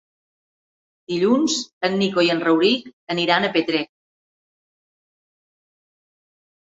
Dilluns en Nico i en Rauric aniran a Petrer.